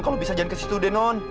kalau bisa jangan ke situ deh non